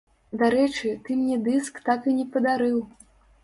Дарэчы, ты мне дыск так і не падарыў!